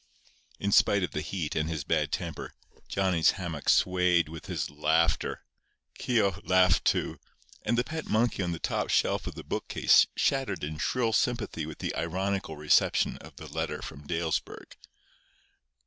In spite of the heat and his bad temper, Johnny's hammock swayed with his laughter. Keogh laughed too; and the pet monkey on the top shelf of the bookcase chattered in shrill sympathy with the ironical reception of the letter from Dalesburg.